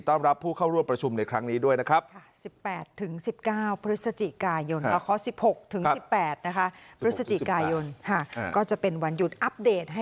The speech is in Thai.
รับผู้เข้าร่วมประชุมในครั้งนี้ด้วยนะครับ